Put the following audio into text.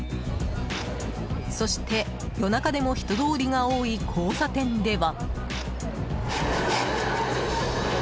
そして、夜中でも人通りが多い交差点では。